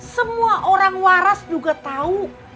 semua orang waras juga tahu